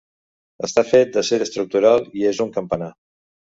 Està fet d'acer estructural i és un campanar.